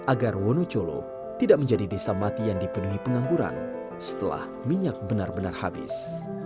agar wonocolo tidak menjadi desa mati yang dipenuhi pengangguran setelah minyak benar benar habis